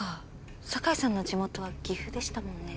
酒井さんの地元は岐阜でしたもんね。